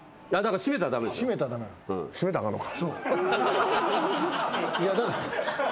閉めたらあかんのか。